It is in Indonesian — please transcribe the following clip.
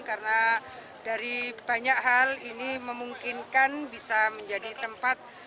karena dari banyak hal ini memungkinkan bisa menjadi tempat